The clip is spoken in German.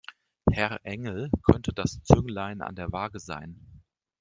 Herr Engel könnte das Zünglein an der Waage sein.